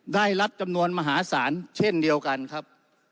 รัฐจำนวนมหาศาลเช่นเดียวกันครับ